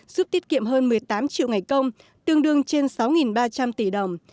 giúp tiết kiệm hơn một mươi tám triệu ngày công tương đương trên sáu ba trăm linh tỷ đồng